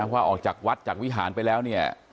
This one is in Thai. ว่าออกจากวัดจากวิหารไปแล้วเนี่ย